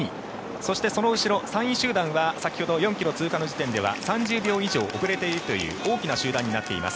そして、その後ろ３位集団は先ほど４ｋｍ通過の時点では３０秒以上遅れているという大きな集団になっています。